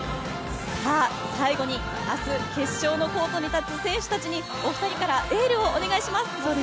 最後に、明日決勝のコートに立つ選手たちにお２人からエールをお願いします。